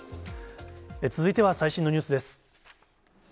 続いては最新のニュースです。